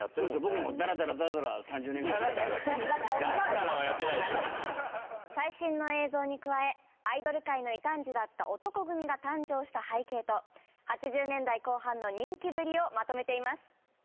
僕らも・だらだらって最新の映像に加えアイドル界の異端児だった男闘呼組が誕生した背景と８０年代後半の人気ぶりをまとめています